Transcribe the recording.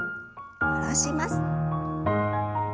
下ろします。